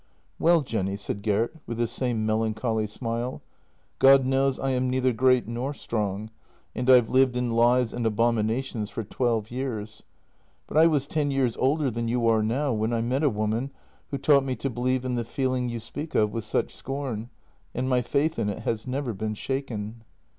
" Well, Jenny," said Gert, with his same melancholy smile —" God knows, I am neither great nor strong, and I've lived in lies and abominations for twelve years. But I was ten years older than you are now when I met a woman who taught me to believe in the feeling you speak of with such scorn, and my faith in it has never been shaken."